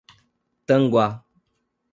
Tanguá